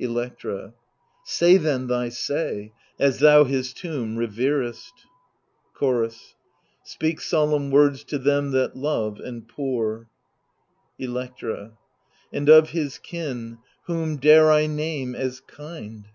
Electra Say then thy say, as thou his tomb reverest Chorus Speak solemn words to them that love, and pour. Electra And of his kin whom dare I name as kind